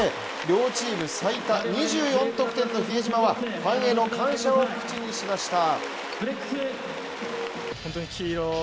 両チーム最多２４得点の比江島はファンへの感謝を口にしました。